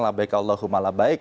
la baik allahumma la baik